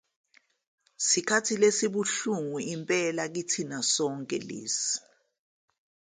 Yisikhathi esibuhlungu impela kithina sonke lesi.